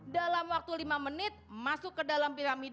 dalam waktu lima menit masuk ke dalam piramida